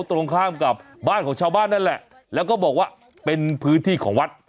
ตรงข้ามกับบ้านของชาวบ้านนั่นแหละแล้วก็บอกว่าเป็นพื้นที่ของวัด